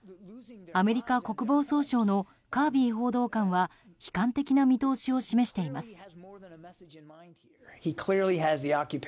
アメリカ国防総省のカービー報道官は悲観的な見通しを示しています。